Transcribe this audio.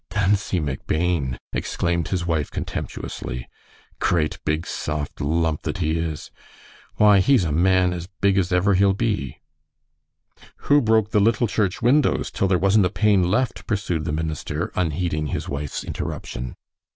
"Duncie MacBain!" exclaimed his wife, contemptuously; "great, big, soft lump, that he is. Why, he's a man, as big as ever he'll be." "Who broke the Little Church windows till there wasn't a pane left?" pursued the minister, unheeding his wife's interruption.